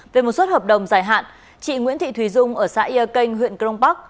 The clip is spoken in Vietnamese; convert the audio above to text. về một suất hợp đồng dài hạn chị nguyễn thị thùy dung ở xã yê kênh huyện crong park